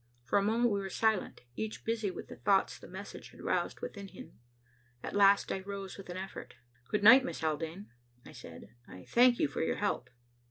For a moment we were silent, each busy with the thoughts the message had roused within him. At last I rose with an effort. "Good night, Miss Haldane," I said, "I thank you for your help."